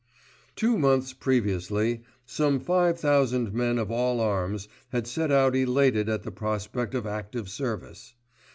Two months previously, some five thousand men of all arms, had set out elated at the prospect of active service.